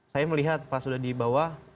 saya melihat pas sudah di bawah